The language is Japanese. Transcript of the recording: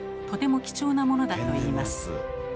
とても貴重なものだといいます。